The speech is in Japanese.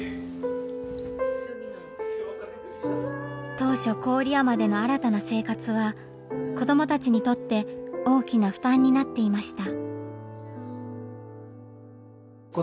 当初郡山での新たな生活は子どもたちにとって大きな負担になっていました。